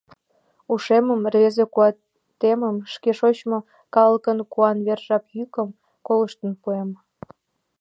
Ушемым, рвезе куатемым Шке шочмо калыкын куан верч Жап йӱкым колыштын пуэм.